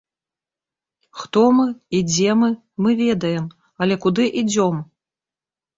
Хто мы і дзе мы, мы ведаем, але куды ідзём?